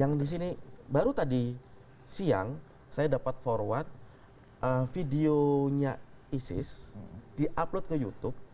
yang di sini baru tadi siang saya dapat forward videonya isis di upload ke youtube